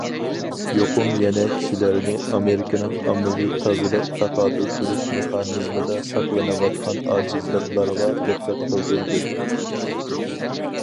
يۇقۇم يەنە كىشىلەرنى ئامېرىكىنىڭ ئاممىۋى تازىلىق تاقابىل تۇرۇش مېخانىزمىدا ساقلىنىۋاتقان ئاجىزلىقلارغا دىققەت قىلدۇردى.